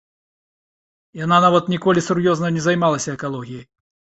Яна нават ніколі сур'ёзна не займалася экалогіяй.